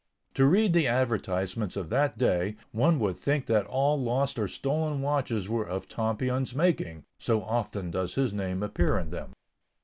To read the advertisements of that day one would think that all lost or stolen watches were of Tompion's making, so often does his name appear in them.